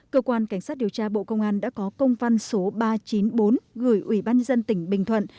cơ quan cảnh sát điều tra bộ công an đã có công văn số ba trăm chín mươi bốn gửi ủy ban dân tỉnh bình thuận